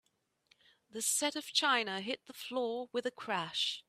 The set of china hit the floor with a crash.